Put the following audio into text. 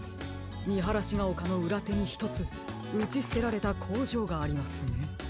みはらしがおかのうらてにひとつうちすてられたこうじょうがありますね。